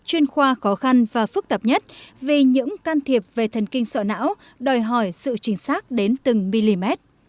chuyên khoa khó khăn và phức tạp nhất vì những can thiệp về thần kinh sọ não đòi hỏi sự chính xác đến từng mm